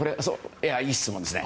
いい質問ですね。